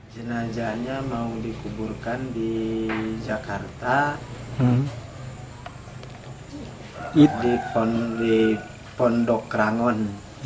jenazahnya mau dikuburkan di jakarta di pondok rangon